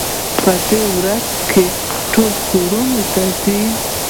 په دې ورځو کې ټول کورونو ته ځي.